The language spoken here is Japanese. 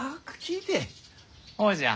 ほうじゃ。